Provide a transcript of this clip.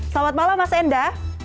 selamat malam mas enda